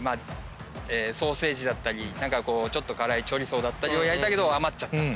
ソーセージだったりちょっと辛いチョリソーだったりを焼いたけど余っちゃったと。